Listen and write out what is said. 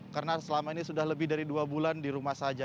karena selama ini sudah lebih dari dua bulan di rumah saja